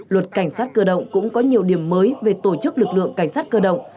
luật cảnh sát cơ động cũng có nhiều điểm mới về tổ chức lực lượng cảnh sát cơ động